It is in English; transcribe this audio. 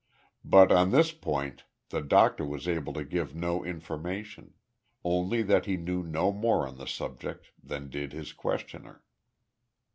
But on this point the doctor was able to give no information only that he knew no more on the subject than did his questioner.